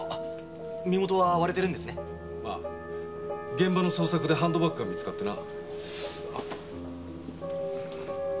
現場の捜索でハンドバッグが見つかってな。